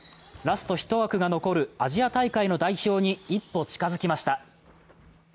ラスト１枠が残るアジア大会の代表に一歩近づきました。